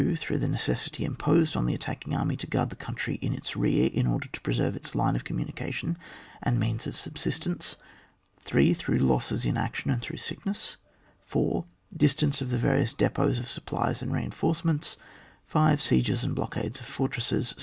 Through the necessity imposed on the attacking army to guai'd the country in its rear, in order to preserve its line of communication and means of sub sistence. 3. Through losses in action and through sickness. 4. Distance of the various depots of supplies and reinforcements. 5. Sieges and blockades of fortresses.